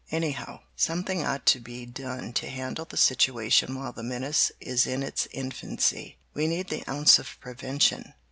"Anyhow, something ought to be done to handle the situation while the menace is in its infancy. We need the ounce of prevention.